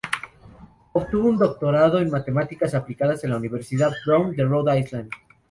Obtuvo un doctorado de matemáticas aplicadas en la Universidad Brown de Rhode Island.